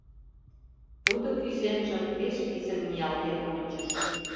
Тудо кӱсенжым пеш писын ниялтен ончыш.